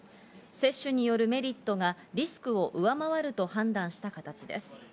接種によるメリットがリスクを上回ると判断した形です。